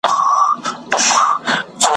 کبرجن د خدای ج دښمن دئ ,